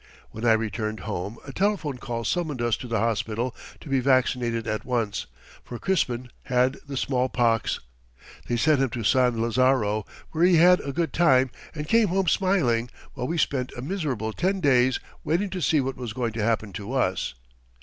When I returned home a telephone call summoned us to the hospital to be vaccinated at once, for Crispin had the smallpox! They sent him to San Lazaro, where he had a good time, and came home smiling, while we spent a miserable ten days waiting to see what was going to happen to us.